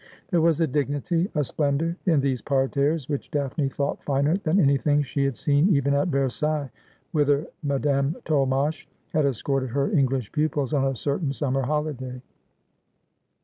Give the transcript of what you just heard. There was a dignity, a splen dour, in these parterres which Daphne thought finer than anything she had seen even at Versailles, whither Madame Tolmache had escorted her English pupils on a certain summer holiday.